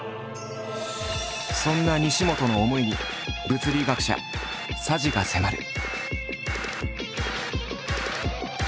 そんな西本の思いに物理学者佐治が迫る！